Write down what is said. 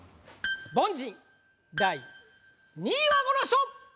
凡人第２位はこの人！